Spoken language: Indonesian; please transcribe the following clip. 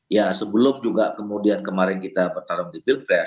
ya sebelum juga kemudian kemarin kita bertarung di pilpres